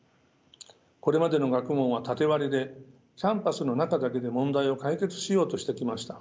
これまでの学問は縦割りでキャンパスの中だけで問題を解決しようとしてきました。